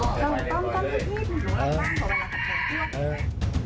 ต้องต้องต้องนี่นี่นี่นี่นี่นี่นี่